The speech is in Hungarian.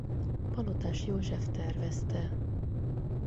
Palotás József tervezte.